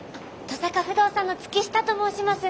登坂不動産の月下と申します。